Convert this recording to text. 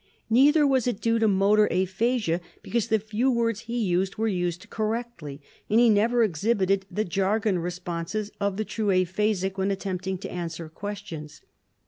Neither was it due to motor aphasia, because the few words he used were used correctly, and he never exhibited the jargon responses of the true aphasic when attempting to answer questions.